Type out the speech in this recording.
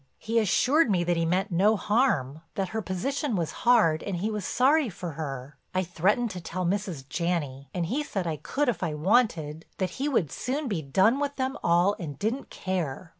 He assured me that he meant no harm, that her position was hard and he was sorry for her. I threatened to tell Mrs. Janney, and he said I could if I wanted, that he would soon be done with them all and didn't care.